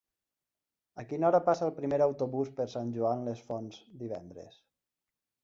A quina hora passa el primer autobús per Sant Joan les Fonts divendres?